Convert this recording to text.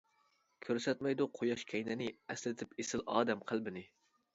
كۆرسەتمەيدۇ قۇياش كەينىنى، ئەسلىتىپ ئېسىل ئادەم قەلبىنى.